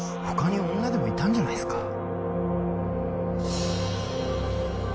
他に女でもいたんじゃないっすか？